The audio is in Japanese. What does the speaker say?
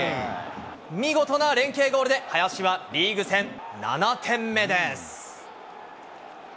見事な連係ゴールで、林はリーグ戦７点目です。